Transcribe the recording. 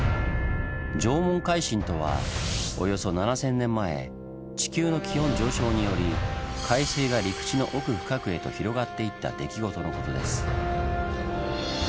縄文海進とはおよそ７，０００年前地球の気温上昇により海水が陸地の奥深くへと広がっていった出来事のことです。